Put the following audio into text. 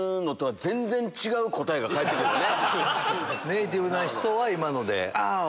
ネーティブな人は今ので。